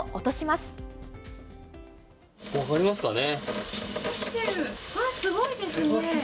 すごいですね！